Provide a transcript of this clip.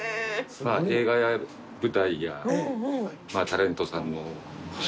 映画や舞台やまぁタレントさんの衣装。